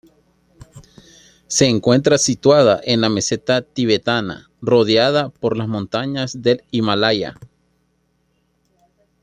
Se encuentra situada en la meseta tibetana, rodeada por las montañas del Himalaya.